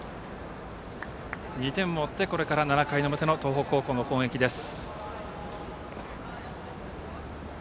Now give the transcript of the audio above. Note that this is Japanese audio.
２点を追ってこれから７回の表の東北高校の攻撃です。